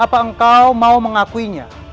apa engkau mau mengakuinya